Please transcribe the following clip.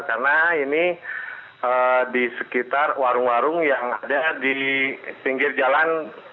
karena ini di sekitar warung warung yang ada di pinggir jalan